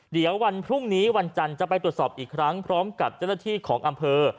เดี๋ยววันพรุ่งนี้วันจันทร์จะไปตรวจสอบอีกครั้งพร้อมกับเจ้าหน้าที่ของอำเภอ